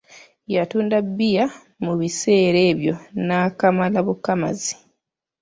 Yatunda bbiya mu biseera ebyo n'akamala bukamazi.